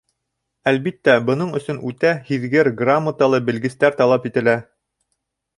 Әлбиттә, бының өсөн үтә һиҙгер, грамоталы белгестәр талап ителә.